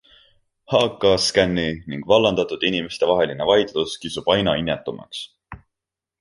HKScani ning vallandatud inimeste vaheline vaidlus kisub aina inetumaks.